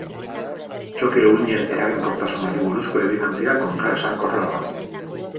Txoke-uhinen eraginkortasunari buruzko ebidentzia kontraesankorra da.